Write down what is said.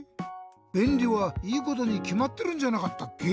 べんりはいいことにきまってるんじゃなかったっけ？